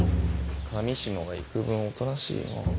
裃が幾分おとなしいの。